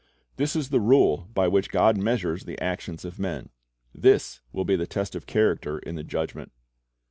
This is the rule by which God measures the actions of men. This will be the test of character in the Judgment.